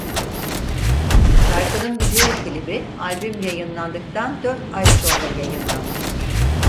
Şarkının video klibi albüm yayınlandıktan dört ay sonra yayınlanmıştır.